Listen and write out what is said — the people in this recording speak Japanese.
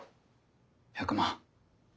１００万。